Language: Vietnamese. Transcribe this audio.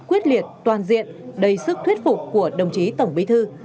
quyết liệt toàn diện đầy sức thuyết phục của đồng chí tổng bí thư